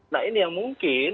nah ini yang mungkin